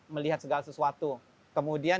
melihat segala sesuatu kemudian